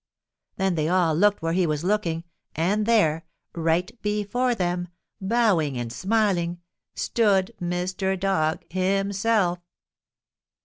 Then they all looked where he was looking, and there, right before them, bowing and smiling, stood Mr. Dog himself!